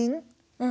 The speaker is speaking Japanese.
うん。